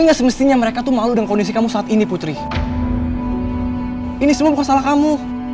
enggak semestinya mereka tuh malu dengan kondisi kamu saat ini putri ini semua bukan salah kamu